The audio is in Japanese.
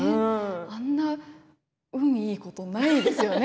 あんな運のいいことないですよね